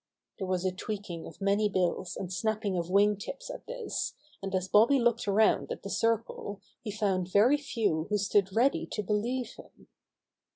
There was a tweaking of many bills and snapping of wing tips at this, and as Bobby looked around at the circle he found very few who stood ready to believe him.